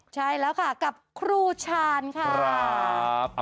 ใช่แล้วค่ะกับครูชาญค่ะ